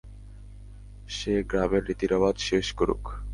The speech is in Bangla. সে গ্রামের রীতি-রেওয়াজ শেষ করুক।